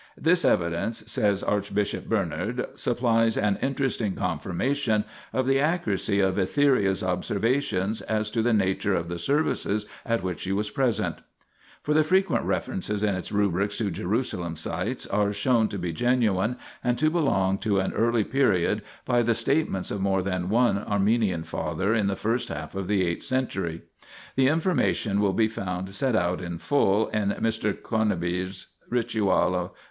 " This evidence," says Archbishop Bernard, " supplies an interesting confirmation of the accuracy of Etheria's observations as to the nature of the services at which she was present" : for the frequent references in its rubrics to Jerusalem sites are shown to be genuine and to belong to an early period by the statements of more than one Armenian father in the first half of the eighth century. 1 The information will be found set out in full in Mr. Conybeare's Ritualr.